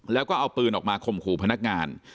แล้วก็เอาปืนออกมาข่มขู่พนักงาน